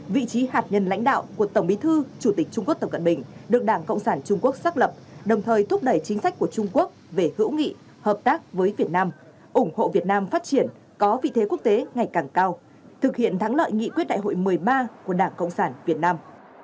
vị trí hạt nhân lãnh đạo của tổng bí thư chủ tịch trung quốc tập cận bình được đảng cộng sản trung quốc xác lập đồng thời thúc đẩy chính sách của trung quốc về hữu nghị hợp tác với việt nam ủng hộ việt nam phát triển có vị thế quốc tế ngày càng cao thực hiện thắng lợi nghị quyết đại hội một mươi ba của đảng cộng sản việt nam